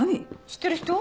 知ってる人？